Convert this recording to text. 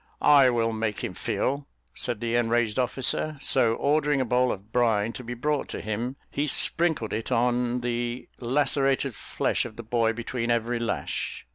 "I will make him feel," said the enraged officer; so ordering a bowl of brine to be brought to him, he sprinkled it on the lacerated flesh of the boy between every lash.